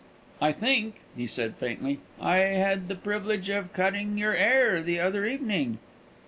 "I think," he said, faintly, "I had the privilege of cutting your 'air the other evening."